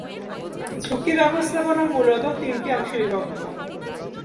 ঝুঁকি ব্যবস্থাপনা মূলত তিনটি অংশে বিভক্ত।